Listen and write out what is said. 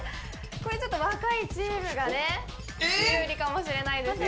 これ若いチームがね有利かもしれないですよ・